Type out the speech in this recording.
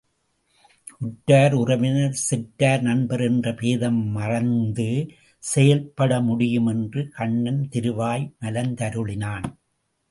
உற்றார், உறவினர், செற்றார், நண்பர் என்ற பேதம் மறைந்து செயல்படமுடியும் என்று கண்ணன் திருவாய் மலர்ந்தருளினான்.